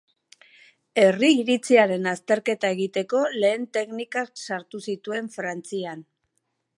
Herri iritziaren azterketa egiteko lehen teknikak sartu zituen Frantzian.